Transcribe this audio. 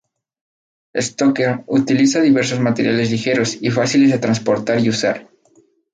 Stocker utiliza diversos materiales ligeros y fáciles de trasportar y usar.